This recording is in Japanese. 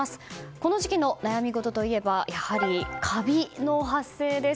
この時期の悩み事といえばやはりカビの発生です。